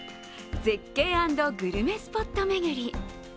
絶景＆グルメスポット巡り。